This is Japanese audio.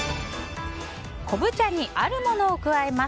昆布茶にあるものを加えます